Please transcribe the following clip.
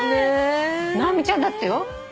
直美ちゃんだってよ。